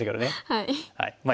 はい。